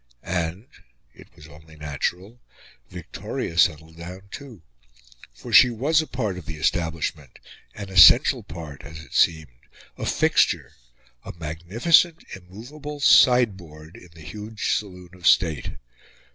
And it was only natural Victoria settled down too. For she was a part of the establishment an essential part as it seemed a fixture a magnificent, immovable sideboard in the huge saloon of state.